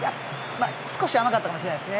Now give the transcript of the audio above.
少し甘かったかもしれないですね。